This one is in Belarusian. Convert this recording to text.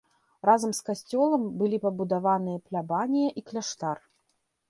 Разам з касцёлам былі пабудаваныя плябанія і кляштар.